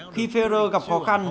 khi ferrer gặp khó khăn